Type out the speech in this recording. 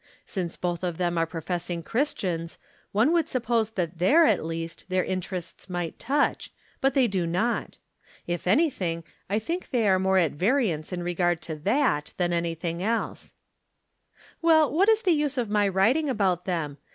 Since both of them are professing Cliristians, one would suppose that there, at least, their interests might touch, but they do not. If anything, I think they are more at variance in regard to that than anything else. Well, what is the use of my writing about them?